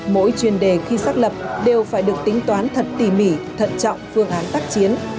mỗi chuyên đề khi xác lập đều phải được tính toán thật tỉ mỉ thận trọng phương án tác chiến